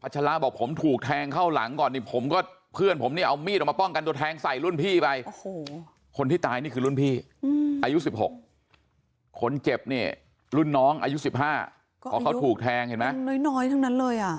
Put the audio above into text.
คนเจ็บเนี่ยรุ่นน้องอายุ๑๕พอเขาถูกแทงเห็นไหมน้อยทั้งนั้นเลยอ่ะ